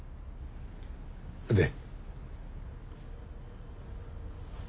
で？